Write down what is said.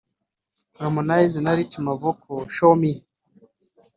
Harmonize X Rich Mavoko – Show Me